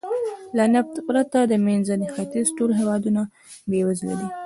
له نفت پرته د منځني ختیځ ټول هېوادونه بېوزله دي.